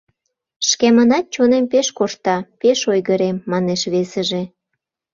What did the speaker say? Шкемынат чонем пеш коршта, пеш ойгырем, — манеш весыже.